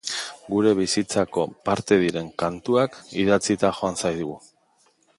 Gure bizitzako parte diren kantuak idatzita joan zaigu.